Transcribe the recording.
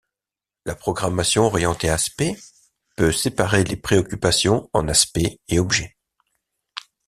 La programmation orientée aspect peut séparer les préoccupations en aspects et objets.